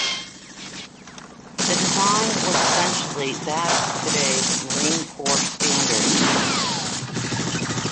The design was essentially that of today's Marine Corps standard.